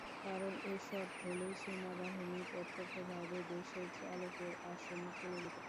কারণ, এসব হলেই সেনাবাহিনী প্রত্যক্ষভাবে দেশের চালকের আসনে চলে যেতে পারে।